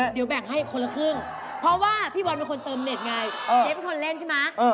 เดี๋ยวแบ่งให้คนละครึ่งเพราะว่าพี่บอลเป็นคนเติมเน็ตไงเจ๊เป็นคนเล่นใช่ไหม